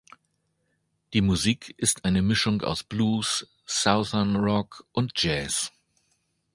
Die Musik ist eine Mischung aus Blues, Southern Rock und Jazz.